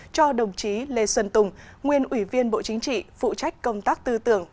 cho đồng chí lê xuân tùng nguyên ủy viên bộ chính trị phụ trách công tác tư tưởng